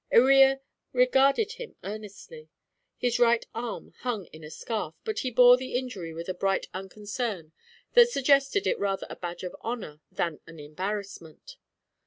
Iría regarded him earnestly. His right arm hung in a scarf, but he bore the injury with a bright unconcern that suggested it rather a badge of honor than an embarrassment.